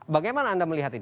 bagaimana anda melihat ini